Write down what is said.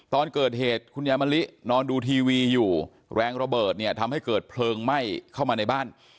ตอนเกิดเหตุคุณยายมะลินอนดูทีวีอยู่แรงระเบิดเนี่ยทำให้เกิดเพลิงไหม้เข้ามาในบ้าน